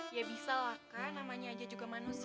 ya bisa lah kan namanya aja juga manusia